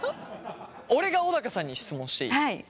俺が小高さんに質問していい？